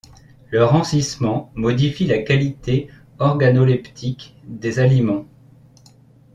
Le rancissement modifie la qualité organoleptique des aliments.